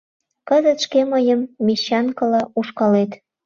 Кызыт шке мыйым мещанкыла ушкалет...